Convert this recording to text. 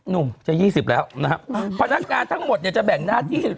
นุ่มจะ๒๐แล้วพนักงานทั้งหมดจะแบ่งหน้าที่